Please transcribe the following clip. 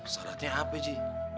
syaratnya apa cing